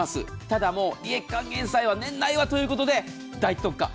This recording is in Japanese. ただ、利益還元祭は年内はということで大特価。